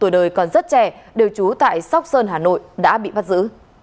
tuổi đời còn rất trẻ đều trú tại sóc sơn hà nội đã bị bắt giữ